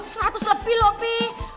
satu lebih loh pi